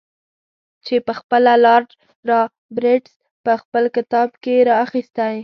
چې پخپله لارډ رابرټس په خپل کتاب کې را اخیستی.